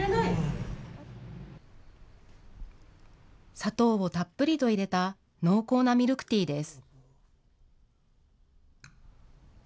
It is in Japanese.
砂糖をたっぷりと入れた、濃厚なミルクティーです。